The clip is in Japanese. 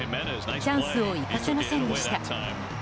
チャンスを生かせませんでした。